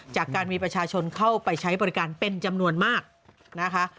จากการมีประชาชนเข้าไปใช้บริการเป็นจำนวนมากนะคะ